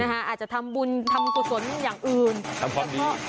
อาจจะทำบุญทำกุศลอย่างอื่นทำความดี